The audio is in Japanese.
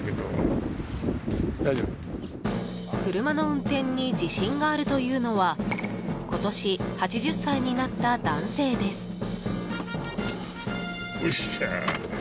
車の運転に自信があるというのは今年８０歳になった男性です。